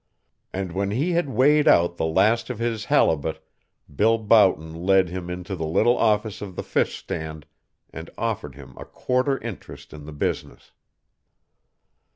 And when he had weighed out the last of his halibut Bill Boughton led him into the little office of the fishstand and offered him a quarter interest in the business.